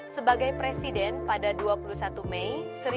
sebagai presiden pada dua puluh satu mei seribu sembilan ratus empat puluh